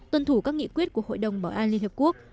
tuân thủ các nghị quyết của hội đồng bảo an liên hợp quốc